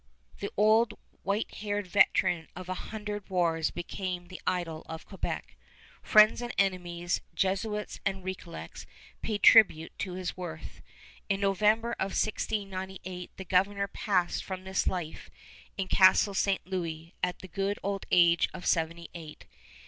The old white haired veteran of a hundred wars became the idol of Quebec. Friends and enemies, Jesuits and Recollets, paid tribute to his worth. In November of 1698 the Governor passed from this life in Castle St. Louis at the good old age of seventy eight.